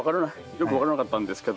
よく分からなかったんですけど